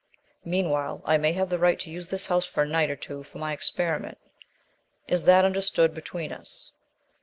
Meanwhile I may have the right to use this house for a night or two for my experiment. Is that understood between us?"